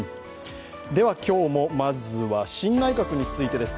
では今日もまずは新内閣についてです。